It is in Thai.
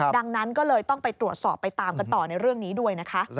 ดังนั้นก็เลยต้องไปตรวจสอบไปตามกันต่อในเรื่องนี้ด้วยนะคะ